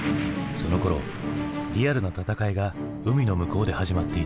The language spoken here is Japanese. そのころリアルな戦いが海の向こうで始まっていた。